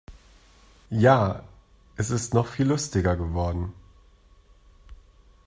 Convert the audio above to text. Ja, es ist noch viel lustiger geworden.